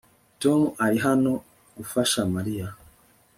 Tom ari hano gufasha Mariya